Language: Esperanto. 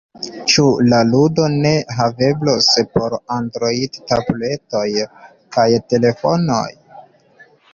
Ĉu la ludo ne haveblos por Android-tabuletoj kaj telefonoj?